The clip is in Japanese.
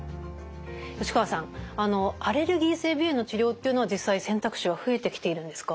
吉川さんアレルギー性鼻炎の治療っていうのは実際選択肢は増えてきているんですか？